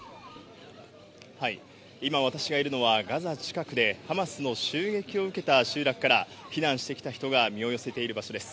今、私がいるのは、ガザ近くで、ハマスの襲撃を受けた集落から、避難してきた人が身を寄せている場所です。